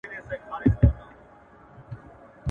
ازمويلی بيامه ازمايه.